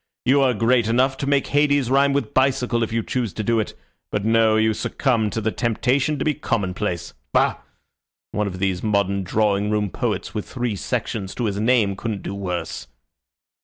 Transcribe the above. You are great enough to make Hades rhyme with bicycle if you choose to do it but no, you succumb to the temptation to be commonplace. Bah! One of these modern drawing room poets with three sections to his name couldn't do worse."